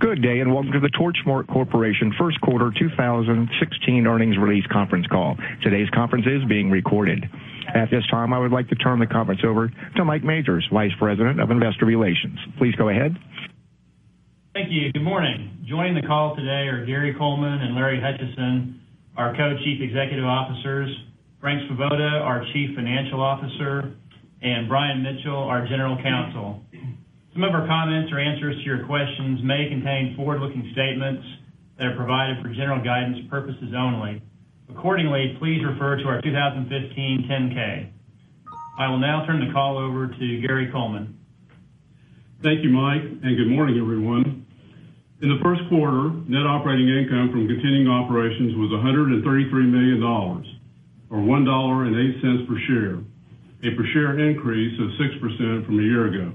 Good day, and welcome to the Torchmark Corporation first quarter 2016 earnings release conference call. Today's conference is being recorded. At this time, I would like to turn the conference over to Mike Majors, Vice President of Investor Relations. Please go ahead. Thank you. Good morning. Joining the call today are Gary Coleman and Larry Hutchison, our Co-Chief Executive Officers, Frank M. Svoboda, our Chief Financial Officer, and Brian Mitchell, our General Counsel. Some of our comments or answers to your questions may contain forward-looking statements that are provided for general guidance purposes only. Accordingly, please refer to our 2015 10-K. I will now turn the call over to Gary Coleman. Thank you, Mike. Good morning, everyone. In the first quarter, net operating income from continuing operations was $133 million, or $1.08 per share, a per share increase of 6% from a year ago.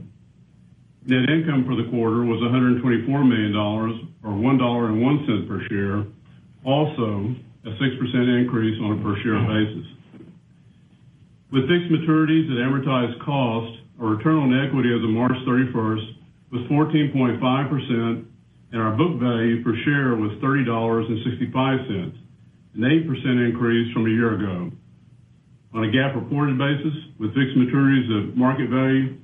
Net income for the quarter was $124 million, or $1.01 per share, also a 6% increase on a per share basis. With fixed maturities at amortized cost, our return on equity as of March 31st was 14.5%, and our book value per share was $30.65, an 8% increase from a year ago. On a GAAP-reported basis, with fixed maturities at market value,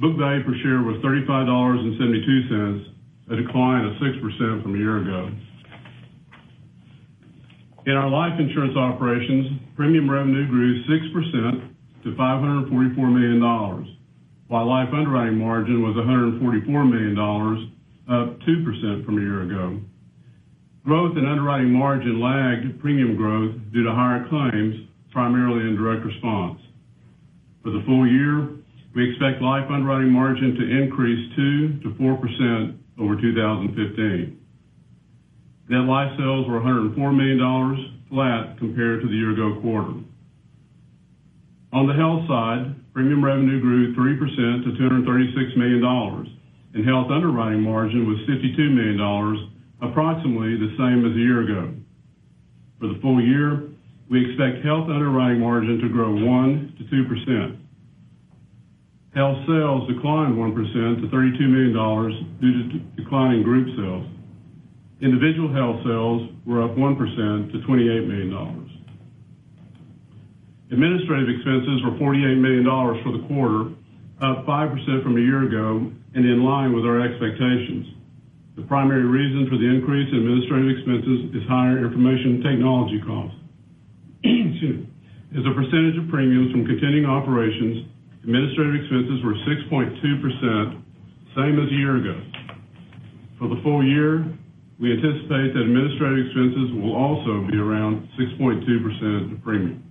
book value per share was $35.72, a decline of 6% from a year ago. In our life insurance operations, premium revenue grew 6% to $544 million, while life underwriting margin was $144 million, up 2% from a year ago. Growth in underwriting margin lagged premium growth due to higher claims, primarily in direct response. For the full year, we expect life underwriting margin to increase 2%-4% over 2015. Net life sales were $104 million, flat compared to the year ago quarter. On the health side, premium revenue grew 3% to $236 million, and health underwriting margin was $52 million, approximately the same as a year ago. For the full year, we expect health underwriting margin to grow 1%-2%. Health sales declined 1% to $32 million due to declining group sales. Individual health sales were up 1% to $28 million. Administrative expenses were $48 million for the quarter, up 5% from a year ago, and in line with our expectations. The primary reason for the increase in administrative expenses is higher information technology costs. As a percentage of premiums from continuing operations, administrative expenses were 6.2%, same as a year ago. For the full year, we anticipate that administrative expenses will also be around 6.2% of the premium.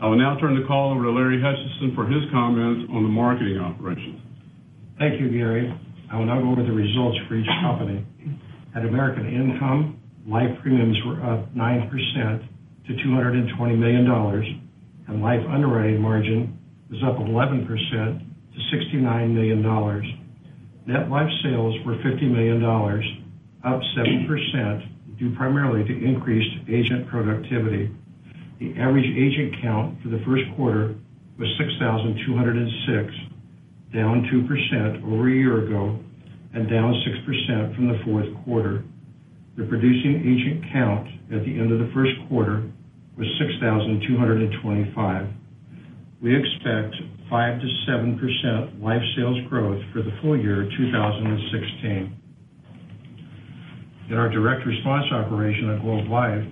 I will now turn the call over to Larry Hutchison for his comments on the marketing operations. Thank you, Gary. I will now go over the results for each company. At American Income, life premiums were up 9% to $220 million, and life underwriting margin was up 11% to $69 million. Net life sales were $50 million, up 7%, due primarily to increased agent productivity. The average agent count for the first quarter was 6,206, down 2% over a year ago and down 6% from the fourth quarter. The producing agent count at the end of the first quarter was 6,225. We expect 5% to 7% life sales growth for the full year 2016. In our direct response operation at Globe Life,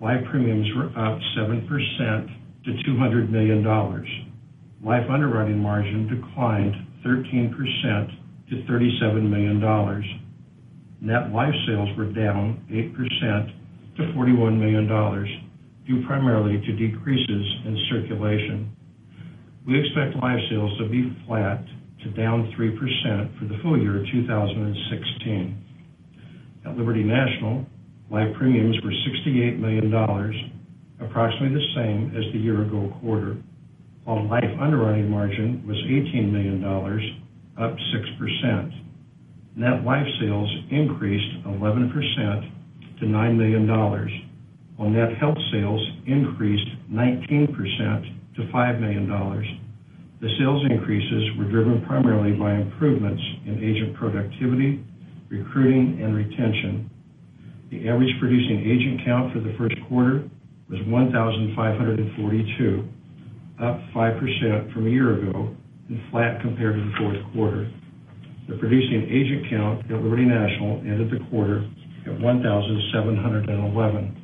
life premiums were up 7% to $200 million. Life underwriting margin declined 13% to $37 million. Net life sales were down 8% to $41 million, due primarily to decreases in circulation. We expect life sales to be flat to down 3% for the full year of 2016. At Liberty National, life premiums were $68 million, approximately the same as the year ago quarter, while life underwriting margin was $18 million, up 6%. Net life sales increased 11% to $9 million, while net health sales increased 19% to $5 million. The sales increases were driven primarily by improvements in agent productivity, recruiting, and retention. The average producing agent count for the first quarter was 1,542, up 5% from a year ago and flat compared to the fourth quarter. The producing agent count at Liberty National ended the quarter at 1,711.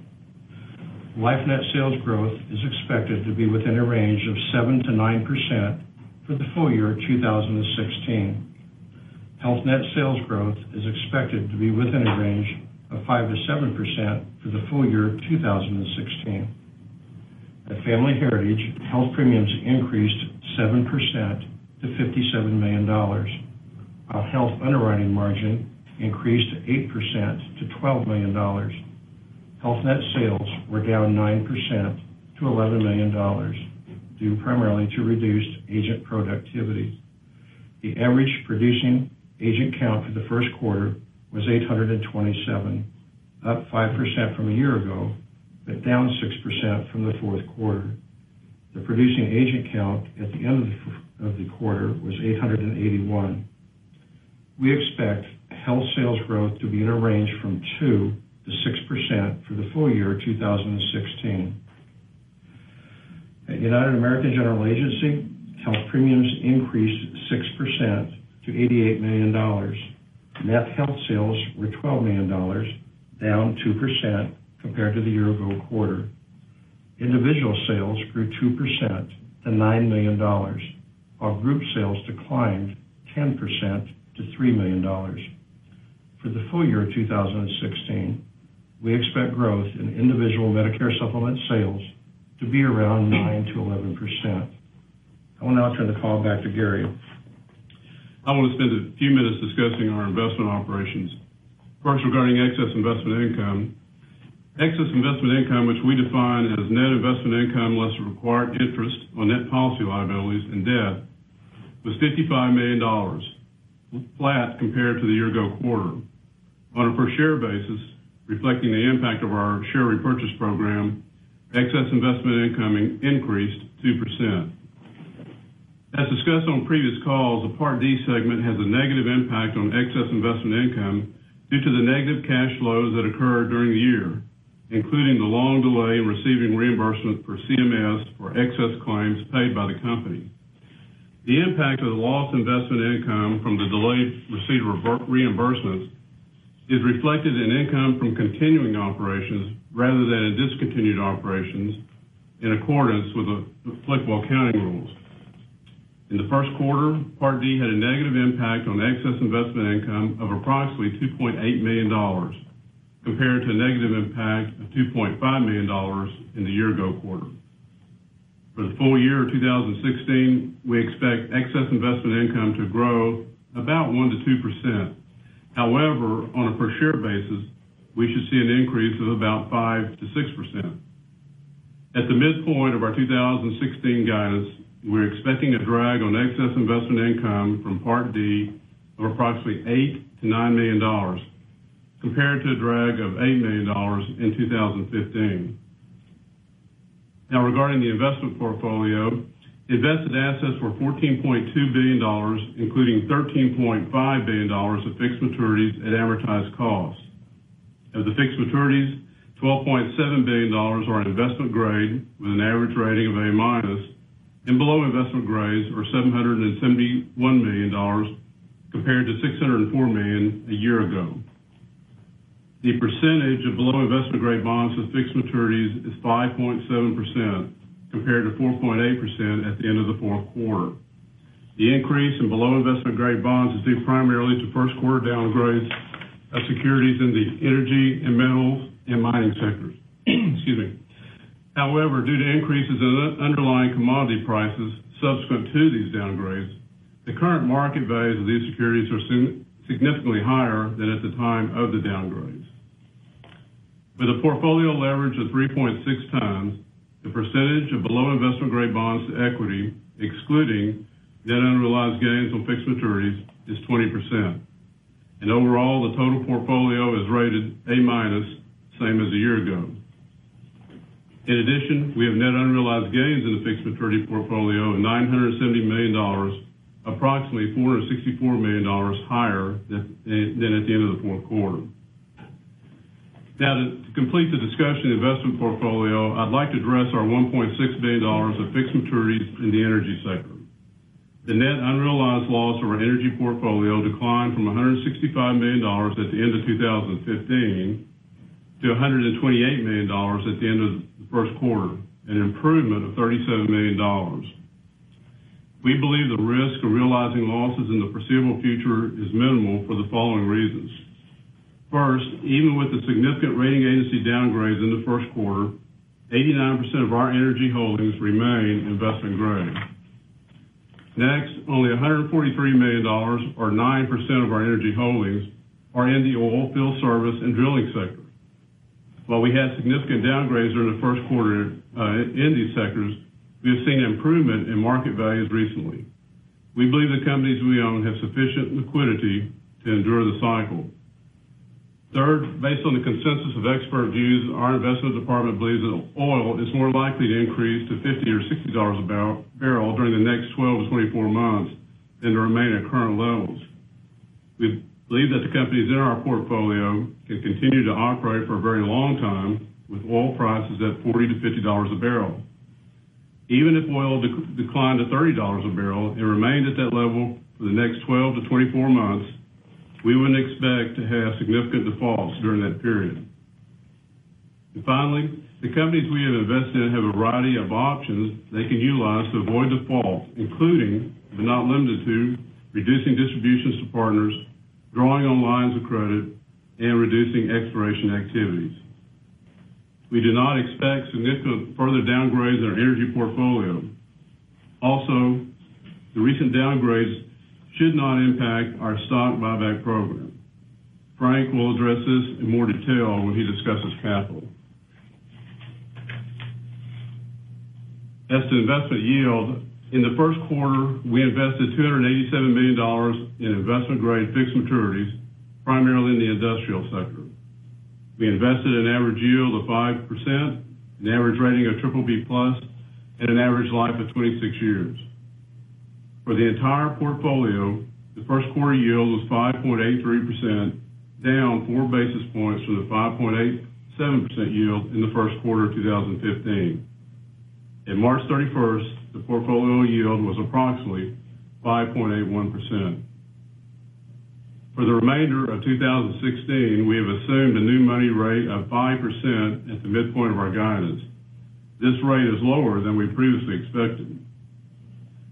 Life net sales growth is expected to be within a range of 7% to 9% for the full year 2016. Health net sales growth is expected to be within a range of 5% to 7% for the full year 2016. At Family Heritage, health premiums increased 7% to $57 million, while health underwriting margin increased 8% to $12 million. Health net sales were down 9% to $11 million, due primarily to reduced agent productivity. The average producing agent count for the first quarter was 827, up 5% from a year ago, but down 6% from the fourth quarter. The producing agent count at the end of the quarter was 881. We expect health sales growth to be in a range from 2% to 6% for the full year 2016. At United American General Agency, health premiums increased 6% to $88 million. Net health sales were $12 million, down 2% compared to the year-ago quarter. Individual sales grew 2% to $9 million, while group sales declined 10% to $3 million. For the full year 2016, we expect growth in individual Medicare supplement sales to be around 9% to 11%. I will now turn the call back to Gary. I want to spend a few minutes discussing our investment operations. First, regarding excess investment income. Excess investment income, which we define as net investment income less required interest on net policy liabilities and debt, was $55 million, flat compared to the year-ago quarter. On a per share basis, reflecting the impact of our share repurchase program, excess investment income increased 2%. As discussed on previous calls, the Part D segment has a negative impact on excess investment income due to the negative cash flows that occur during the year, including the long delay in receiving reimbursement for CMS for excess claims paid by the company. The impact of the lost investment income from the delayed receipt of reimbursements is reflected in income from continuing operations rather than in discontinued operations in accordance with applicable accounting rules. In the first quarter, Part D had a negative impact on excess investment income of approximately $2.8 million, compared to a negative impact of $2.5 million in the year-ago quarter. For the full year 2016, we expect excess investment income to grow about 1%-2%. On a per share basis, we should see an increase of about 5%-6%. At the midpoint of our 2016 guidance, we're expecting a drag on excess investment income from Part D of approximately $8 million-$9 million, compared to a drag of $8 million in 2015. Regarding the investment portfolio, invested assets were $14.2 billion, including $13.5 billion of fixed maturities at amortized cost. Of the fixed maturities, $12.7 billion are investment grade with an average rating of A-minus, and below investment grades are $771 million compared to $604 million a year ago. The percentage of below investment-grade bonds with fixed maturities is 5.7%, compared to 4.8% at the end of the fourth quarter. The increase in below investment-grade bonds is due primarily to first quarter downgrades of securities in the energy and metals and mining sectors. Excuse me. However, due to increases in underlying commodity prices subsequent to these downgrades, the current market values of these securities are significantly higher than at the time of the downgrades. With a portfolio leverage of 3.6 times, the percentage of below investment-grade bonds to equity, excluding net unrealized gains on fixed maturities, is 20%. Overall, the total portfolio is rated A-minus, same as a year ago. In addition, we have net unrealized gains in the fixed maturity portfolio of $970 million, approximately $464 million higher than at the end of the fourth quarter. To complete the discussion of the investment portfolio, I'd like to address our $1.6 billion of fixed maturities in the energy sector. The net unrealized loss of our energy portfolio declined from $165 million at the end of 2015 to $128 million at the end of the first quarter, an improvement of $37 million. We believe the risk of realizing losses in the foreseeable future is minimal for the following reasons. First, even with the significant rating agency downgrades in the first quarter, 89% of our energy holdings remain investment grade. Only $143 million or 9% of our energy holdings are in the oilfield service and drilling sector. While we had significant downgrades during the first quarter in these sectors, we have seen improvement in market values recently. We believe the companies we own have sufficient liquidity to endure the cycle. Based on the consensus of expert views, our investment department believes that oil is more likely to increase to $50 or $60 a barrel during the next 12 to 24 months than to remain at current levels. We believe that the companies in our portfolio can continue to operate for a very long time with oil prices at $40 to $50 a barrel. Even if oil declined to $30 a barrel and remained at that level for the next 12 to 24 months, we wouldn't expect to have significant defaults during that period. Finally, the companies we have invested in have a variety of options they can utilize to avoid default, including, but not limited to, reducing distributions to partners, drawing on lines of credit, and reducing exploration activities. We do not expect significant further downgrades in our energy portfolio. The recent downgrades should not impact our stock buyback program. Frank will address this in more detail when he discusses capital. As to investment yield, in the first quarter, we invested $287 million in investment-grade fixed maturities, primarily in the industrial sector. We invested an average yield of 5%, an average rating of BBB+, and an average life of 26 years. For the entire portfolio, the first quarter yield was 5.83%, down four basis points from the 5.87% yield in the first quarter of 2015. In March 31st, the portfolio yield was approximately 5.81%. For the remainder of 2016, we have assumed a new money rate of 5% at the midpoint of our guidance. This rate is lower than we previously expected.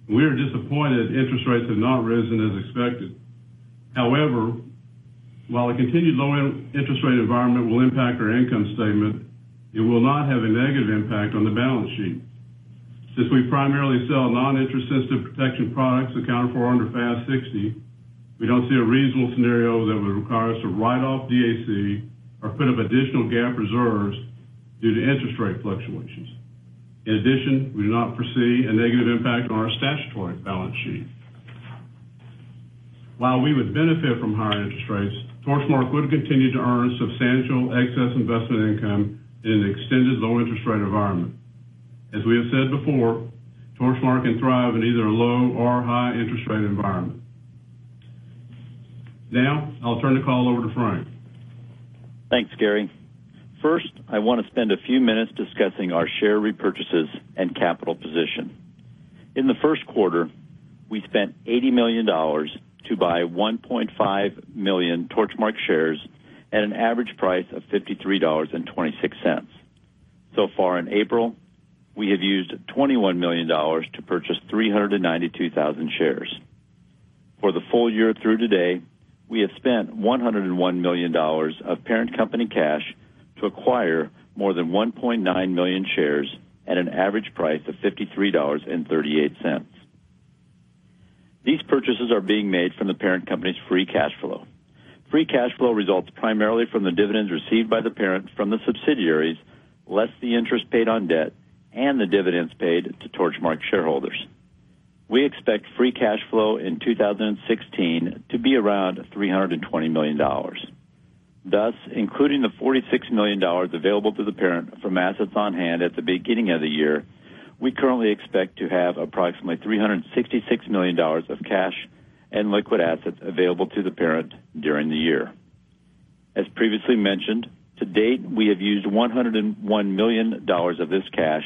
We are disappointed interest rates have not risen as expected. While a continued low interest rate environment will impact our income statement, it will not have a negative impact on the balance sheet. Since we primarily sell non-interest sensitive protection products accounted for under FAS 60, we don't see a reasonable scenario that would require us to write off DAC or put up additional GAAP reserves due to interest rate fluctuations. In addition, we do not foresee a negative impact on our statutory balance sheet. While we would benefit from higher interest rates, Torchmark would continue to earn substantial excess investment income in an extended low interest rate environment. As we have said before, Torchmark can thrive in either a low or high interest rate environment. I'll turn the call over to Frank. Thanks, Gary. I want to spend a few minutes discussing our share repurchases and capital position. In the first quarter, we spent $80 million to buy 1.5 million Torchmark shares at an average price of $53.26. So far in April, we have used $21 million to purchase 392,000 shares. For the full year through today, we have spent $101 million of parent company cash to acquire more than 1.9 million shares at an average price of $53.38. These purchases are being made from the parent company's free cash flow. Free cash flow results primarily from the dividends received by the parent from the subsidiaries, less the interest paid on debt and the dividends paid to Torchmark shareholders. We expect free cash flow in 2016 to be around $320 million. Including the $46 million available to the parent from assets on hand at the beginning of the year, we currently expect to have approximately $366 million of cash and liquid assets available to the parent during the year. As previously mentioned, to date, we have used $101 million of this cash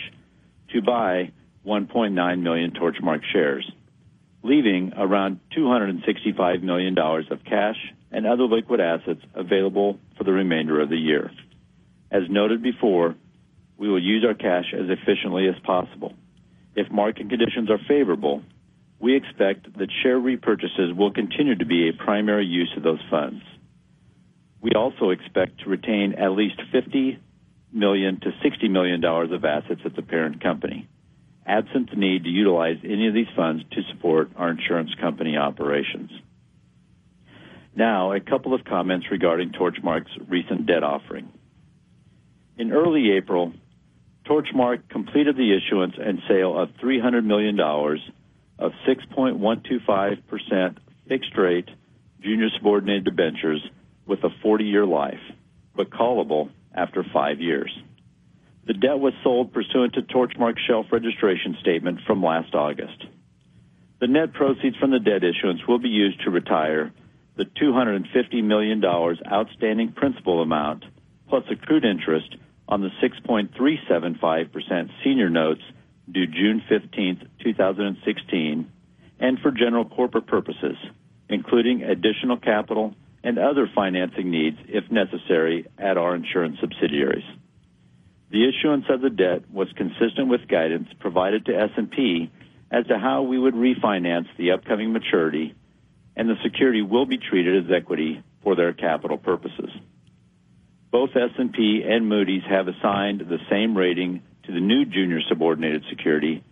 to buy 1.9 million Torchmark shares, leaving around $265 million of cash and other liquid assets available for the remainder of the year. As noted before, we will use our cash as efficiently as possible. If market conditions are favorable, we expect that share repurchases will continue to be a primary use of those funds. We also expect to retain at least $50 million-$60 million of assets at the parent company, absent the need to utilize any of these funds to support our insurance company operations. A couple of comments regarding Torchmark's recent debt offering. In early April, Torchmark completed the issuance and sale of $300 million of 6.125% fixed rate junior subordinated debentures with a 40-year life, but callable after five years. The debt was sold pursuant to Torchmark's shelf registration statement from last August. The net proceeds from the debt issuance will be used to retire the $250 million outstanding principal amount, plus accrued interest on the 6.375% senior notes due June 15th, 2016, and for general corporate purposes, including additional capital and other financing needs, if necessary, at our insurance subsidiaries. The issuance of the debt was consistent with guidance provided to S&P as to how we would refinance the upcoming maturity, and the security will be treated as equity for their capital purposes. Both S&P and Moody's have assigned the same rating to the new junior subordinated security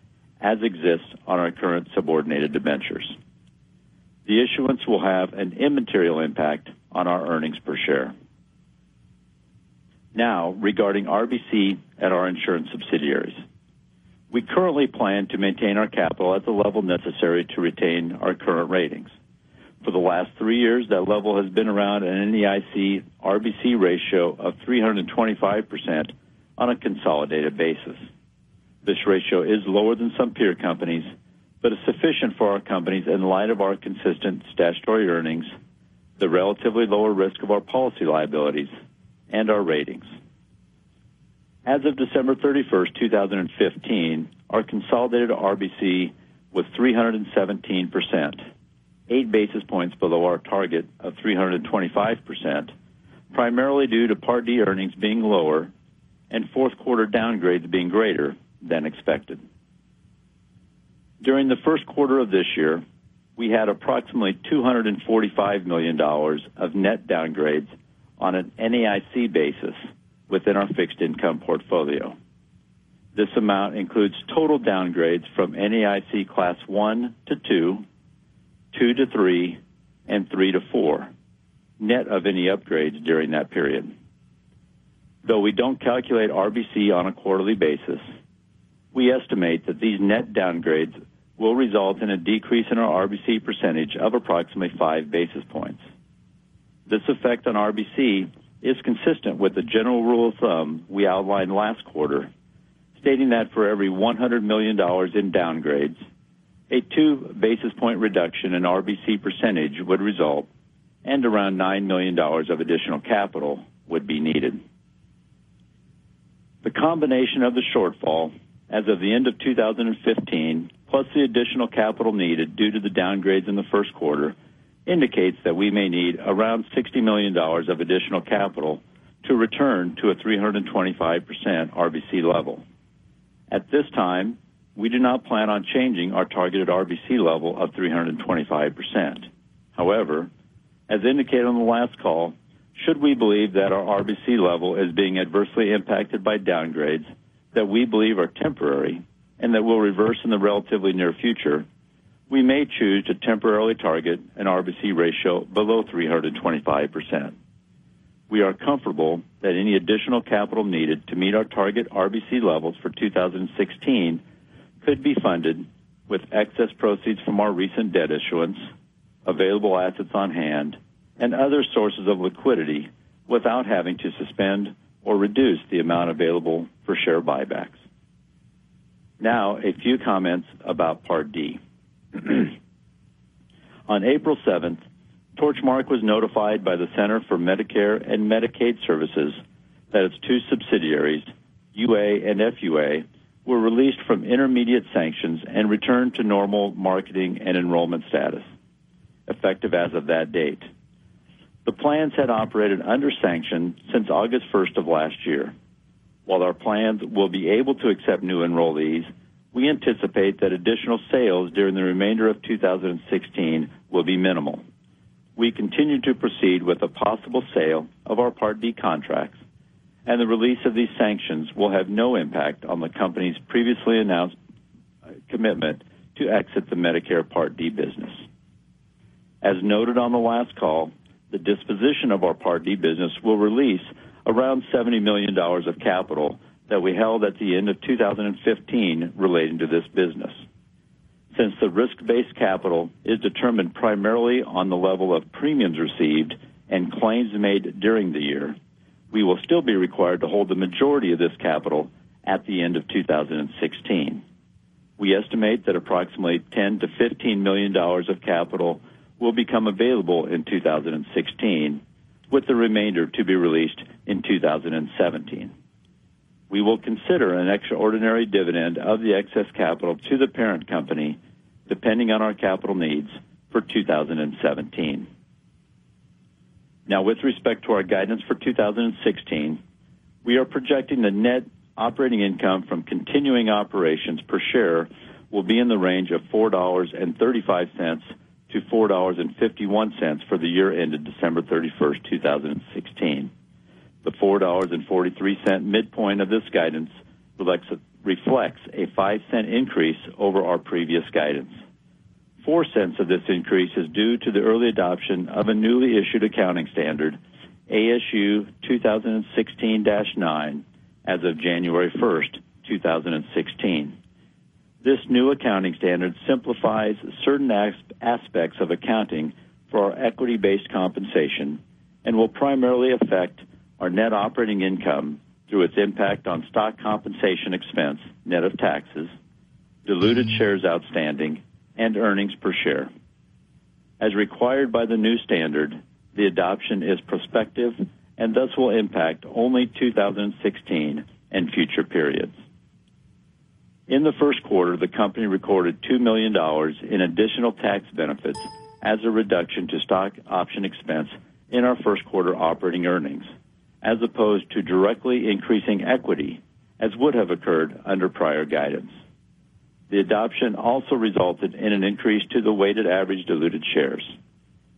as exists on our current subordinated debentures. The issuance will have an immaterial impact on our earnings per share. Regarding RBC at our insurance subsidiaries. We currently plan to maintain our capital at the level necessary to retain our current ratings. For the last three years, that level has been around an NAIC RBC ratio of 325% on a consolidated basis. This ratio is lower than some peer companies, but is sufficient for our companies in light of our consistent statutory earnings, the relatively lower risk of our policy liabilities, and our ratings. As of December 31st, 2015, our consolidated RBC was 317%, eight basis points below our target of 325%, primarily due to Part D earnings being lower and fourth quarter downgrades being greater than expected. During the first quarter of this year, we had approximately $245 million of net downgrades on an NAIC basis within our fixed income portfolio. This amount includes total downgrades from NAIC Class 1 to 2 to 3, and 3 to 4, net of any upgrades during that period. Though we do not calculate RBC on a quarterly basis, we estimate that these net downgrades will result in a decrease in our RBC percentage of approximately five basis points. This effect on RBC is consistent with the general rule of thumb we outlined last quarter, stating that for every $100 million in downgrades, a two basis point reduction in RBC percentage would result, and around $9 million of additional capital would be needed. The combination of the shortfall as of the end of 2015, plus the additional capital needed due to the downgrades in the first quarter, indicates that we may need around $60 million of additional capital to return to a 325% RBC level. At this time, we do not plan on changing our targeted RBC level of 325%. However, as indicated on the last call, should we believe that our RBC level is being adversely impacted by downgrades that we believe are temporary and that will reverse in the relatively near future, we may choose to temporarily target an RBC ratio below 325%. We are comfortable that any additional capital needed to meet our target RBC levels for 2016 could be funded with excess proceeds from our recent debt issuance, available assets on hand, and other sources of liquidity without having to suspend or reduce the amount available for share buybacks. A few comments about Part D. On April 7th, Torchmark was notified by the Centers for Medicare & Medicaid Services that its two subsidiaries, UA and FUA, were released from intermediate sanctions and returned to normal marketing and enrollment status, effective as of that date. The plans had operated under sanction since August 1st of last year. While our plans will be able to accept new enrollees, we anticipate that additional sales during the remainder of 2016 will be minimal. We continue to proceed with a possible sale of our Part D contracts, and the release of these sanctions will have no impact on the company's previously announced commitment to exit the Medicare Part D business. As noted on the last call, the disposition of our Part D business will release around $70 million of capital that we held at the end of 2015 relating to this business. Since the risk-based capital is determined primarily on the level of premiums received and claims made during the year, we will still be required to hold the majority of this capital at the end of 2016. We estimate that approximately $10 million-$15 million of capital will become available in 2016, with the remainder to be released in 2017. We will consider an extraordinary dividend of the excess capital to the parent company, depending on our capital needs for 2017. With respect to our guidance for 2016, we are projecting the net operating income from continuing operations per share will be in the range of $4.35-$4.51 for the year ended December 31st, 2016. The $4.43 midpoint of this guidance reflects a $0.05 increase over our previous guidance. $0.04 of this increase is due to the early adoption of a newly issued accounting standard, ASU 2016-09, as of January 1st, 2016. This new accounting standard simplifies certain aspects of accounting for our equity-based compensation and will primarily affect our net operating income through its impact on stock compensation expense, net of taxes, diluted shares outstanding, and earnings per share. As required by the new standard, the adoption is prospective and thus will impact only 2016 and future periods. In the first quarter, the company recorded $2 million in additional tax benefits as a reduction to stock option expense in our first quarter operating earnings, as opposed to directly increasing equity as would have occurred under prior guidance. The adoption also resulted in an increase to the weighted average diluted shares.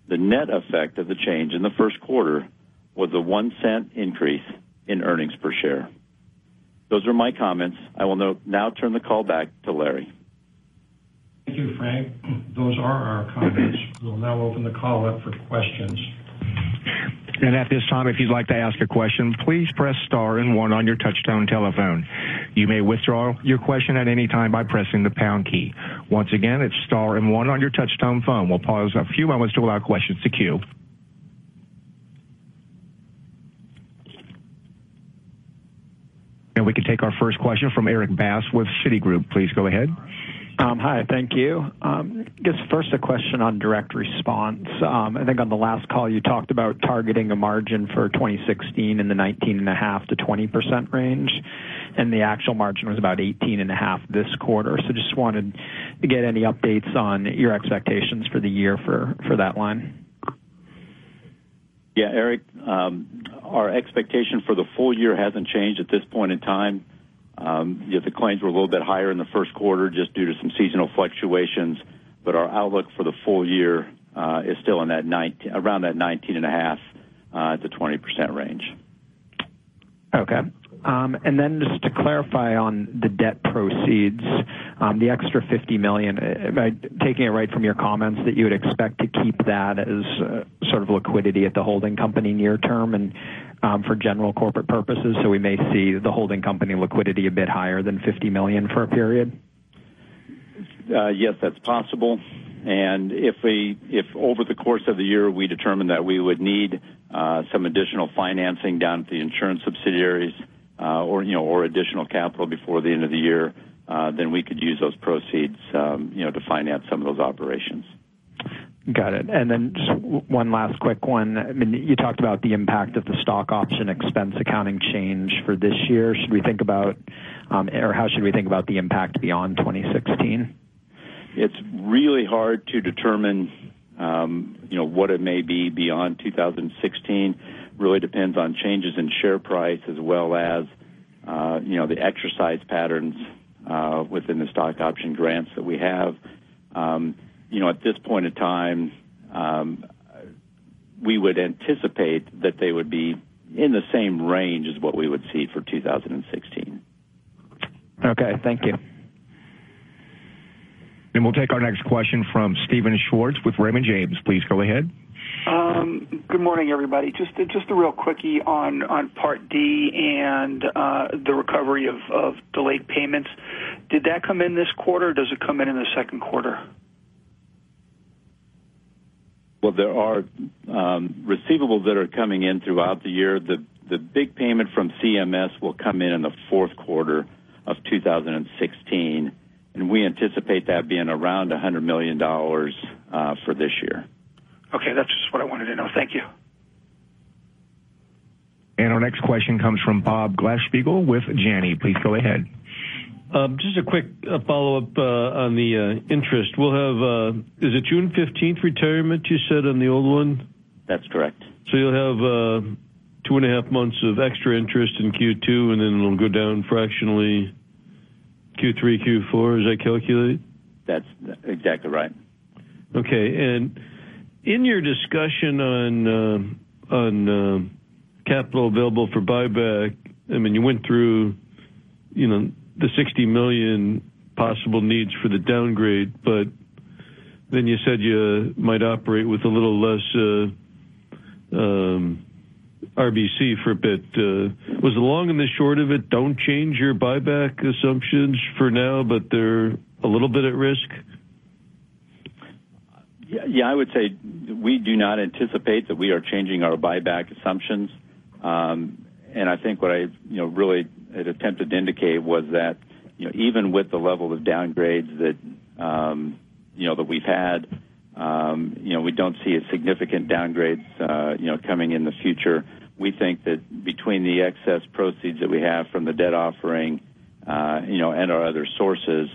The net effect of the change in the first quarter was a $0.01 increase in earnings per share. Those are my comments. I will now turn the call back to Larry. Thank you, Frank. Those are our comments. We'll now open the call up for questions. At this time, if you'd like to ask a question, please press star and one on your touchtone telephone. You may withdraw your question at any time by pressing the pound key. Once again, it's star and one on your touchtone phone. We'll pause a few moments to allow questions to queue. We can take our first question from Erik Bass with Citigroup. Please go ahead. Hi. Thank you. I guess first a question on direct response. I think on the last call, you talked about targeting a margin for 2016 in the 19.5%-20% range, and the actual margin was about 18.5% this quarter. Just wanted to get any updates on your expectations for the year for that line. Yeah, Erik, our expectation for the full year hasn't changed at this point in time. The claims were a little bit higher in the first quarter just due to some seasonal fluctuations, but our outlook for the full year is still around that 19.5%-20% range. Okay. Just to clarify on the debt proceeds, the extra $50 million, taking it right from your comments that you would expect to keep that as sort of liquidity at the holding company near term and For general corporate purposes. We may see the holding company liquidity a bit higher than $50 million for a period? Yes, that's possible. If over the course of the year we determine that we would need some additional financing down at the insurance subsidiaries or additional capital before the end of the year, then we could use those proceeds to finance some of those operations. Got it. Just one last quick one. You talked about the impact of the stock option expense accounting change for this year. How should we think about the impact beyond 2016? It's really hard to determine what it may be beyond 2016. Really depends on changes in share price as well as the exercise patterns within the stock option grants that we have. At this point in time, we would anticipate that they would be in the same range as what we would see for 2016. Okay. Thank you. We'll take our next question from Steven Schwartz with Raymond James. Please go ahead. Good morning, everybody. Just a real quickie on Part D and the recovery of delayed payments. Did that come in this quarter? Does it come in in the second quarter? Well, there are receivables that are coming in throughout the year. The big payment from CMS will come in in the fourth quarter of 2016, we anticipate that being around $100 million for this year. Okay. That's just what I wanted to know. Thank you. Our next question comes from Bob Glasspiegel with Janney. Please go ahead. Just a quick follow-up on the interest. We'll have, is it June 15th retirement you said on the old one? That's correct. You'll have two and a half months of extra interest in Q2, and then it'll go down fractionally Q3, Q4. Is that calculated? That's exactly right. Okay. In your discussion on capital available for buyback, you went through the $60 million possible needs for the downgrade, but then you said you might operate with a little less RBC for a bit. Was the long and the short of it, don't change your buyback assumptions for now, but they're a little bit at risk? Yeah. I would say we do not anticipate that we are changing our buyback assumptions. I think what I really had attempted to indicate was that even with the level of downgrades that we've had, we don't see a significant downgrade coming in the future. We think that between the excess proceeds that we have from the debt offering and our other sources,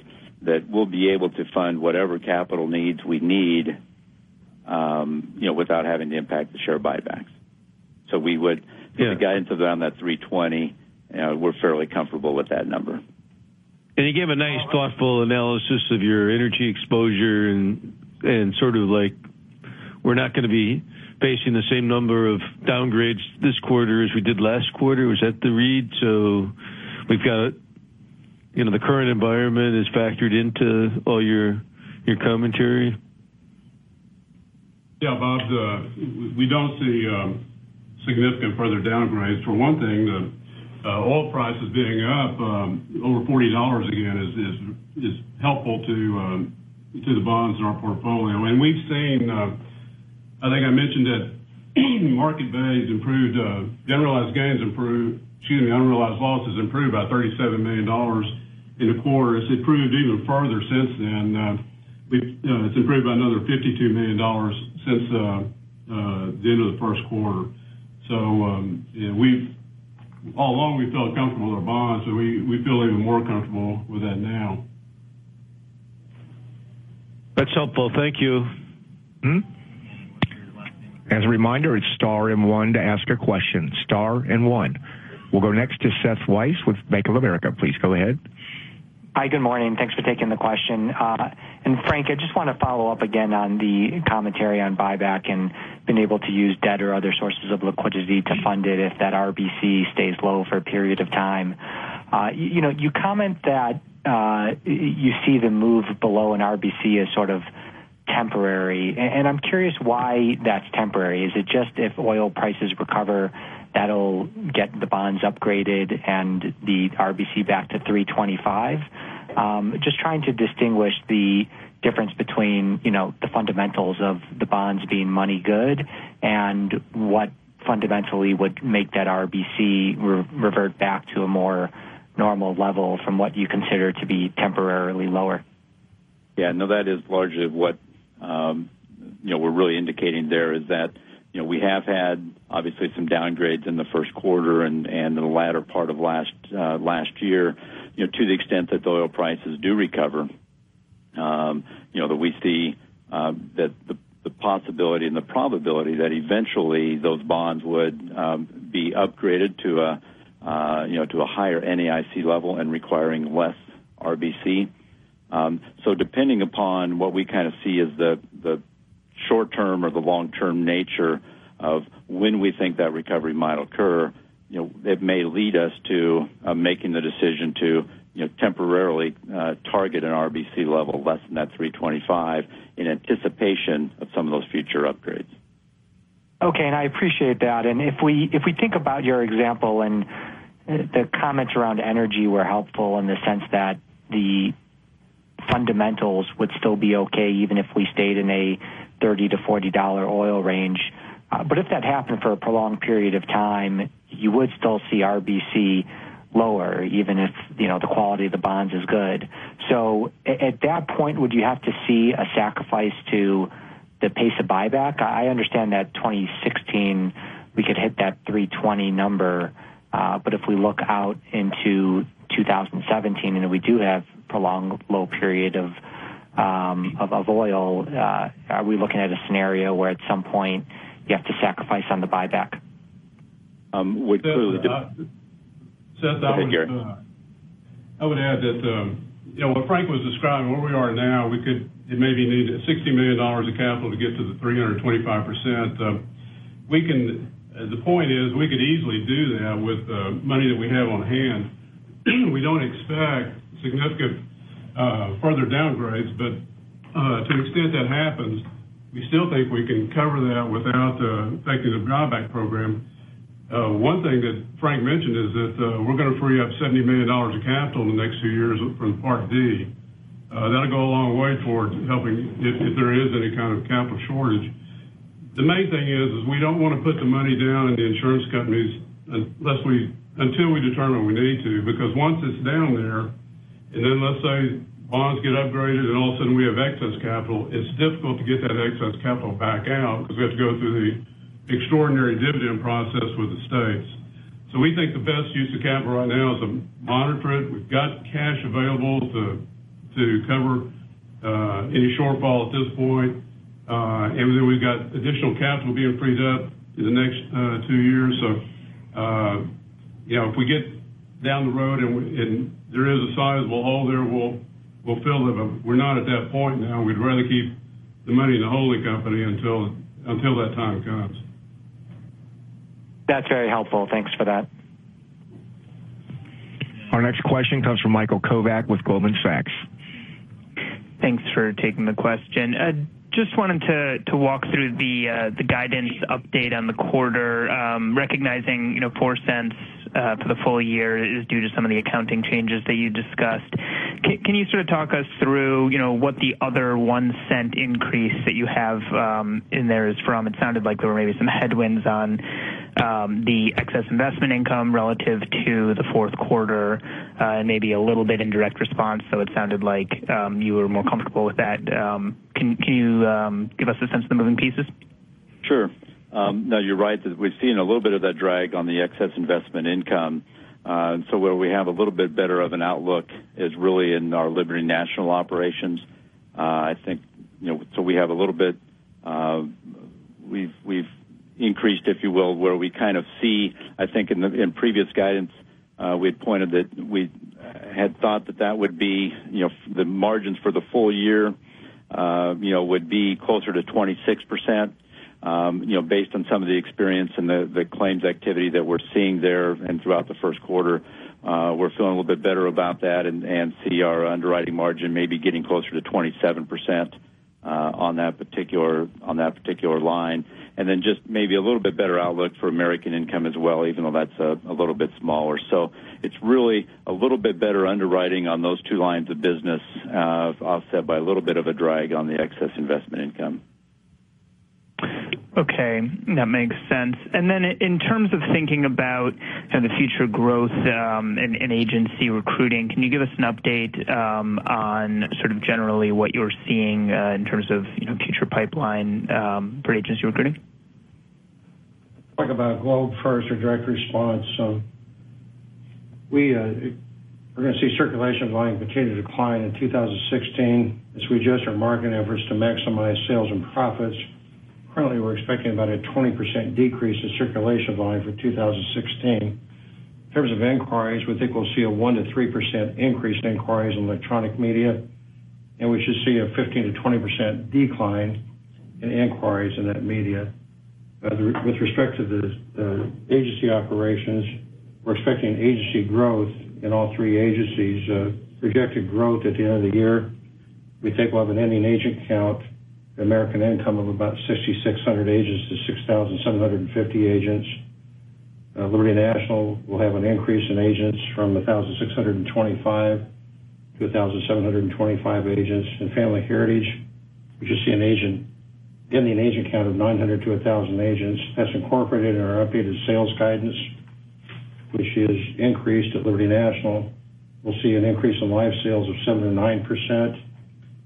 that we'll be able to fund whatever capital needs we need without having to impact the share buybacks. We would give the guidance around that $320. We're fairly comfortable with that number. You gave a nice, thoughtful analysis of your energy exposure and sort of like we're not going to be facing the same number of downgrades this quarter as we did last quarter. Was that the read? We've got the current environment is factored into all your commentary? Yeah, Bob, we don't see significant further downgrades. For one thing, the oil prices being up over $40 again is helpful to the bonds in our portfolio. We've seen, I think I mentioned that market values improved, generalized gains improved, excuse me, unrealized losses improved by $37 million in a quarter. It's improved even further since then. It's improved by another $52 million since the end of the first quarter. All along we felt comfortable with our bonds, and we feel even more comfortable with that now. That's helpful. Thank you. As a reminder, it's star and 1 to ask a question. Star and 1. We'll go next to Seth Weiss with Bank of America. Please go ahead. Hi. Good morning. Thanks for taking the question. Frank, I just want to follow up again on the commentary on buyback and being able to use debt or other sources of liquidity to fund it if that RBC stays low for a period of time. You comment that you see the move below an RBC as sort of temporary, and I'm curious why that's temporary. Is it just if oil prices recover, that'll get the bonds upgraded and the RBC back to 325? Just trying to distinguish the difference between the fundamentals of the bonds being money-good, and what fundamentally would make that RBC revert back to a more normal level from what you consider to be temporarily lower. That is largely what we're really indicating there is that, we have had obviously some downgrades in the first quarter and the latter part of last year. To the extent that the oil prices do recover, that we see that the possibility and the probability that eventually those bonds would be upgraded to a higher NAIC level and requiring less RBC. Depending upon what we kind of see as the short-term or the long-term nature of when we think that recovery might occur It may lead us to making the decision to temporarily target an RBC level less than that 325 in anticipation of some of those future upgrades. Okay, I appreciate that. If we think about your example and the comments around energy were helpful in the sense that the fundamentals would still be okay even if we stayed in a $30-$40 oil range. If that happened for a prolonged period of time, you would still see RBC lower even if the quality of the bonds is good. At that point, would you have to see a sacrifice to the pace of buyback? I understand that 2016, we could hit that 320 number. If we look out into 2017, we do have prolonged low period of oil, are we looking at a scenario where at some point you have to sacrifice on the buyback? We clearly do. Seth, I would add that what Frank was describing, where we are now, we could maybe need $60 million of capital to get to the 325%. The point is we could easily do that with money that we have on hand. We don't expect significant further downgrades, but to the extent that happens, we still think we can cover that without affecting the buyback program. One thing that Frank mentioned is that we're going to free up $70 million of capital in the next few years from Part D. That'll go a long way towards helping if there is any kind of capital shortage. The main thing is we don't want to put the money down in the insurance companies until we determine we need to, because once it's down there, and then let's say bonds get upgraded and all of a sudden we have excess capital, it's difficult to get that excess capital back out because we have to go through the extraordinary dividend process with the states. We think the best use of capital right now is to monitor it. We've got cash available to cover any shortfall at this point. We've got additional capital being freed up in the next two years. If we get down the road and there is a sizable hole there, we'll fill it up. We're not at that point now. We'd rather keep the money in the holding company until that time comes. That's very helpful. Thanks for that. Our next question comes from Michael Kovac with Goldman Sachs. Thanks for taking the question. Wanted to walk through the guidance update on the quarter, recognizing $0.04 for the full year is due to some of the accounting changes that you discussed. Can you sort of talk us through what the other $0.01 increase that you have in there is from? It sounded like there were maybe some headwinds on the excess investment income relative to the fourth quarter, maybe a little bit in direct response. It sounded like you were more comfortable with that. Can you give us a sense of the moving pieces? Sure. No, you're right that we've seen a little bit of that drag on the excess investment income. Where we have a little bit better of an outlook is really in our Liberty National operations. We've increased, if you will, where we kind of see, in previous guidance, we had pointed that we had thought that that would be the margins for the full year would be closer to 26%. Based on some of the experience and the claims activity that we're seeing there and throughout the first quarter, we're feeling a little bit better about that and see our underwriting margin maybe getting closer to 27% on that particular line. Just maybe a little bit better outlook for American Income as well, even though that's a little bit smaller. It's really a little bit better underwriting on those two lines of business, offset by a little bit of a drag on the excess investment income. That makes sense. In terms of thinking about the future growth in agency recruiting, can you give us an update on sort of generally what you're seeing in terms of future pipeline for agency recruiting? Talk about Globe first or direct response. We're going to see circulation volume continue to decline in 2016 as we adjust our marketing efforts to maximize sales and profits. Currently, we're expecting about a 20% decrease in circulation volume for 2016. In terms of inquiries, we think we'll see a 1%-3% increase in inquiries in electronic media, and we should see a 15%-20% decline in inquiries in that media. With respect to the agency operations, we're expecting agency growth in all three agencies, projected growth at the end of the year. We think we'll have an ending agent count at American Income of about 6,600 agents to 6,750 agents. Liberty National will have an increase in agents from 1,625 to 1,725 agents. In Family Heritage, we should see an ending agent count of 900 to 1,000 agents. That's incorporated in our updated sales guidance, which is increased at Liberty National. We'll see an increase in life sales of 7%-9%.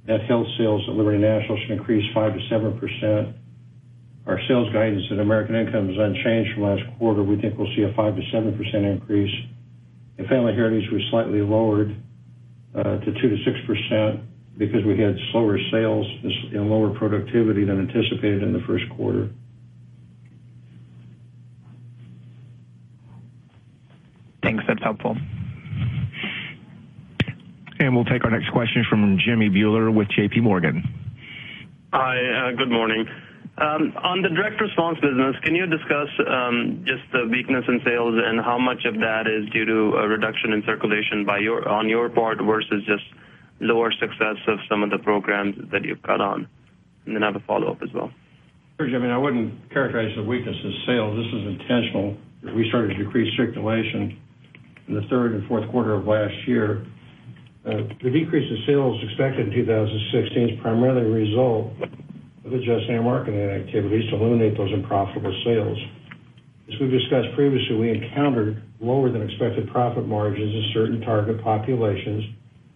Net health sales at Liberty National should increase 5%-7%. Our sales guidance at American Income is unchanged from last quarter. We think we'll see a 5%-7% increase. In Family Heritage, we slightly lowered to 2%-6% because we had slower sales and lower productivity than anticipated in the first quarter. Thanks. That's helpful. We'll take our next question from Jimmy Bhullar with JPMorgan. Hi, good morning. On the direct response business, can you discuss just the weakness in sales and how much of that is due to a reduction in circulation on your part versus just lower success of some of the programs that you've cut on? Then I have a follow-up as well. Sure, Jimmy Bhullar, I wouldn't characterize the weakness as sales. This is intentional. We started to decrease circulation in the third and fourth quarter of last year. The decrease in sales expected in 2016 is primarily a result of adjusting our marketing activities to eliminate those unprofitable sales. As we've discussed previously, we encountered lower than expected profit margins in certain target populations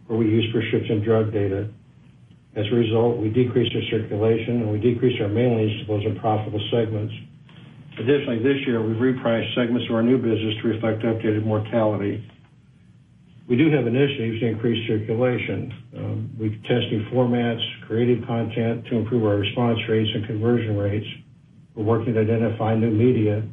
where we used prescription drug data. As a result, we decreased our circulation, and we decreased our mailings to those unprofitable segments. Additionally, this year, we've repriced segments of our new business to reflect updated mortality. We do have initiatives to increase circulation. We're testing formats, creating content to improve our response rates and conversion rates. We're working to identify new media.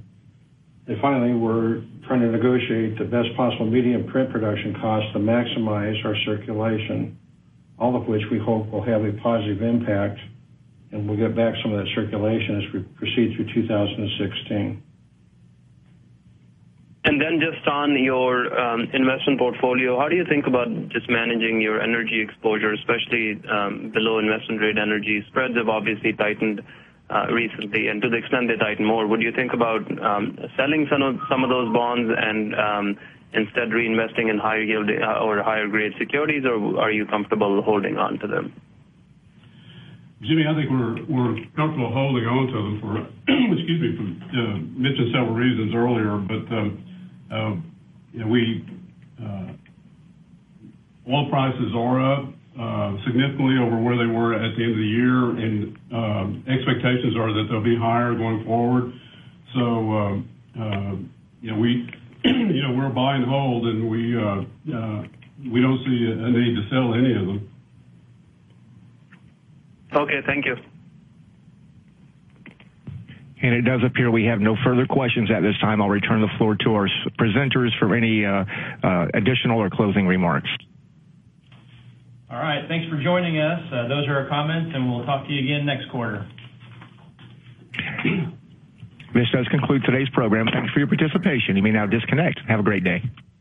Finally, we're trying to negotiate the best possible media and print production costs to maximize our circulation, all of which we hope will have a positive impact, and we'll get back some of that circulation as we proceed through 2016. Just on your investment portfolio, how do you think about just managing your energy exposure, especially the low investment grade energy spreads have obviously tightened recently, to the extent they tighten more, would you think about selling some of those bonds and instead reinvesting in higher yield or higher grade securities, or are you comfortable holding on to them? Jimmy, I think we're comfortable holding onto them for mentioned several reasons earlier. Oil prices are up significantly over where they were at the end of the year, and expectations are that they'll be higher going forward. We're buy and hold, and we don't see a need to sell any of them. Okay, thank you. It does appear we have no further questions at this time. I'll return the floor to our presenters for any additional or closing remarks. All right. Thanks for joining us. Those are our comments. We'll talk to you again next quarter. This does conclude today's program. Thanks for your participation. You may now disconnect. Have a great day.